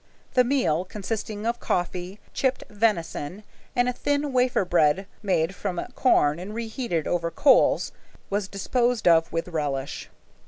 The meal, consisting of coffee, chipped venison, and a thin wafer bread made from corn and reheated over coals, was disposed of with relish.